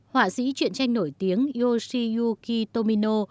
họa sĩ truyện tranh nổi tiếng yoshiyuki tomino